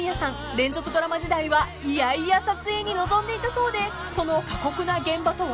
連続ドラマ時代は嫌々撮影に臨んでいたそうでその過酷な現場とは？］